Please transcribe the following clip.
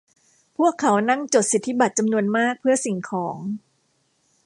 พวกเขานั่งจดสิทธิบัตรจำนวนมากเพื่อสิ่งของ